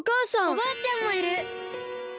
おばあちゃんもいる！